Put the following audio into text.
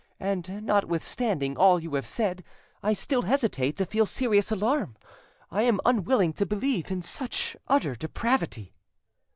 And notwithstanding all you have said, I still hesitate to feel serious alarm; I am unwilling to believe in such utter depravity."